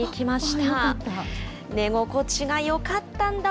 寝心地がよかったんだ